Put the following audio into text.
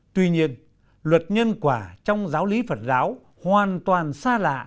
tuy nhiên luật nhân quả trong giáo lý phật giáo hoàn toàn xa lạ